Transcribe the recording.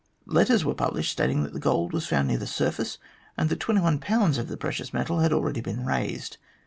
Letters were published, stating that the gold was found near the surface, and that twenty seven pounds of the precious metal had already been raised.